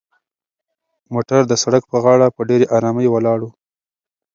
موټر د سړک په غاړه په ډېرې ارامۍ ولاړ و.